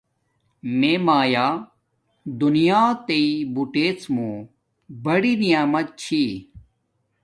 میے مایا دونیات بوتیڎ مون بڑی نعمت چھی